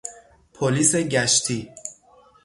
پلیس گشتی